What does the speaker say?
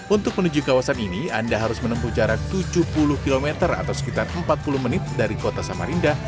untuk menuju kawasan ini anda harus menempuh jarak tujuh puluh km atau sekitar empat puluh menit dari kota samarinda